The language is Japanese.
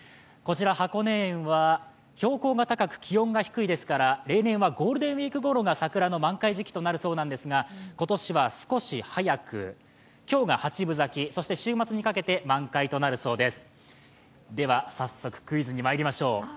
箱根園は標高が高く気温が低いですから例年はゴールデンウイークごろが桜の満開時期になるそうですが、今年は少し早く、今日が八分咲き、そして週末にかけて満開となるそうです。